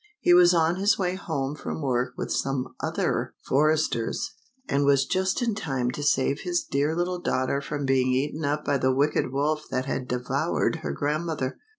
H e was on his way home from work with some other 53 LITTLE RED RIDING HOOD. foresters, and was just in time to save his dear little daughter from being eaten up by the wicked wolf that had devoured her grandmother.